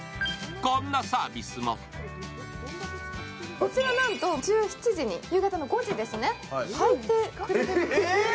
こちらなんと１７時に、夕方の５時ですね、炊いてくれているんです。